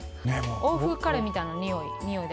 欧風カレーみたいなにおい。